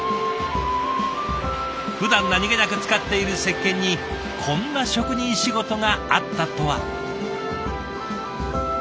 ふだん何気なく使っている石鹸にこんな職人仕事があったとは。